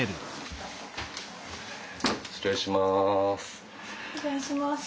失礼します。